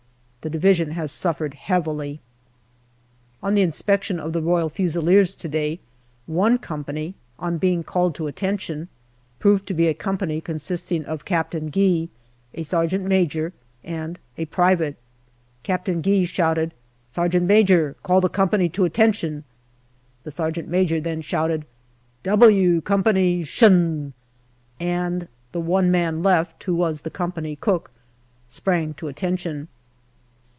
The Division has suffered heavily. On the inspection of the Royal Fusiliers to day, one company, on being called to attention, proved to be a company consisting of Captain Gee, a sergeant major, and a private. Captain Gee shouted, " Sergeant major, call the company to attention/' The sergeant major then shouted, "* W Company, 'shun !" and the one man left, who was the company cook, sprang to attention.